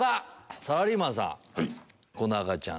サラリーマンさん。